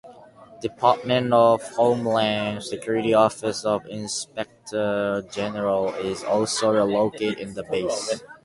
Department of Homeland Security Office of Inspector General is also located in the base.